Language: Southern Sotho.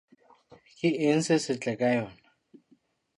Ke eng se setle ka yona?